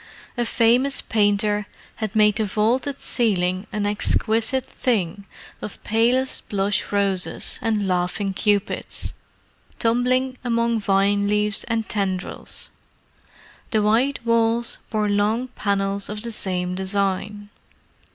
A famous painter had made the vaulted ceiling an exquisite thing of palest blush roses and laughing Cupids, tumbling among vine leaves and tendrils. The white walls bore long panels of the same design.